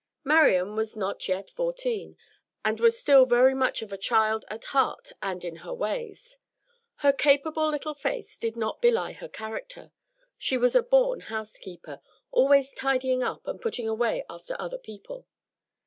Marian was not yet quite fourteen, and was still very much of a child at heart and in her ways. Her "capable" little face did not belie her character. She was a born housekeeper, always tidying up and putting away after other people.